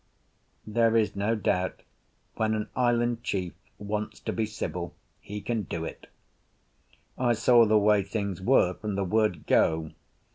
There is no doubt when an island chief wants to be civil he can do it. I saw the way things were from the word go.